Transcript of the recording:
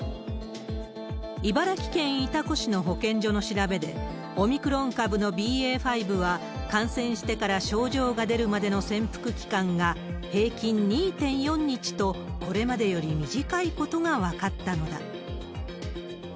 茨城県潮来市の保健所の調べで、オミクロン株のＢＡ．５は、感染してから症状が出るまでの潜伏期間が、平均２．４日と、これまでより短いことが分かったのだ。